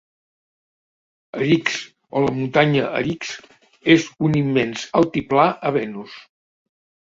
Erix, o la muntanya Erix, és un immens altiplà a Venus.